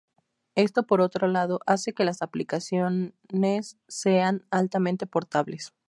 Esto por otro lado hace que las aplicaciones sean altamente portables.